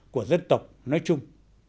của dân tộc nói chung